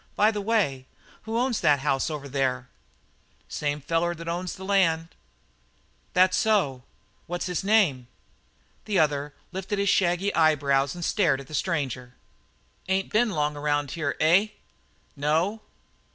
By the way, who owns that house over there?" "Same feller that owns this land." "That so? What's his name?" The other lifted his shaggy eyebrows and stared at the stranger. "Ain't been long around here, eh?" "No."